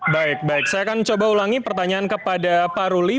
baik baik saya akan coba ulangi pertanyaan kepada pak ruli